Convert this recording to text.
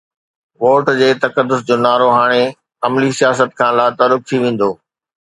Vote جي تقدس جو نعرو هاڻي عملي سياست کان لاتعلق ٿي ويندو.